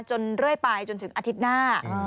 เรื่อยไปจนถึงอาทิตย์หน้า